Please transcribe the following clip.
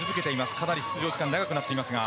かなり出場時間が長くなっていますが。